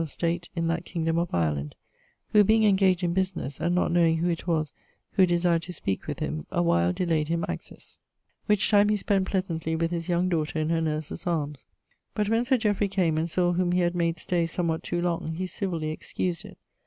] of state in that kingdome of Ireland, who being ingaged in business, and not knowing who it was who desired to speake with him, a while delayed him access; which time he spent pleasantly with his young daughter in her nurse's arms. But when Sir Jeoffry came, and saw whom he had made stay somewhat too long, he civilly excused it.